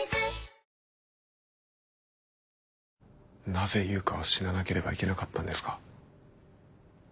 なぜ悠香は死ななければいけなかったんですか？